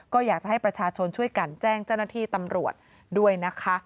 ก็อยากจะให้ประชาชนช่วยกันแจ้งเจ้าหน้าที่ตำรวจด้วยนะคะ